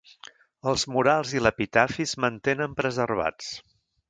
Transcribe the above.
Els murals i l'epitafi es mantenen preservats.